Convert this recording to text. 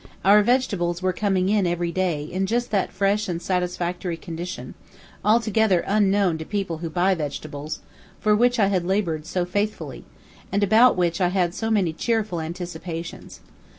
Our vegetables were coming in every day in just that fresh and satisfactory condition altogether unknown to people who buy vegetables for which I had labored so faithfully, and about which I had had so many cheerful anticipations.